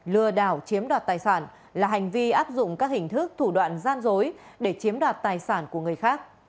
lừa đảo chiếm đoạt tài sản là hành vi áp dụng các hình thức thủ đoạn gian dối để chiếm đoạt tài sản của người khác